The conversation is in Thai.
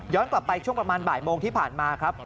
กลับไปช่วงประมาณบ่ายโมงที่ผ่านมาครับ